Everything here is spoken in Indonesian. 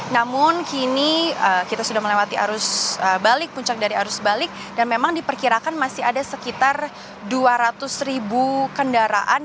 namun kini kita sudah melewati arus balik puncak dari arus balik dan memang diperkirakan masih ada sekitar dua ratus ribu kendaraan